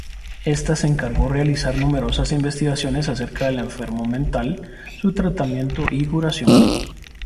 Esta se encargó realizar numerosas investigaciones acerca del enfermo mental, su tratamiento y curación.